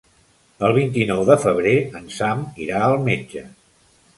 El vint-i-nou de febrer en Sam irà al metge.